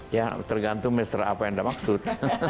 ya tergantung mesra apa yang anda maksud